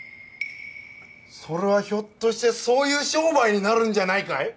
それはひょっとしてそういう商売になるんじゃないかい？